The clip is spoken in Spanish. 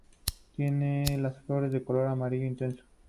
Tiene las flores de color amarillo intenso.